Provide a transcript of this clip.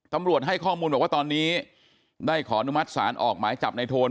ตำรวจให้ข้อมูลบอกว่าตอนนี้ได้ขออนุมัติศาลออกหมายจับในโทน